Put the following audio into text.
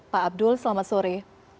pak abdul selamat sore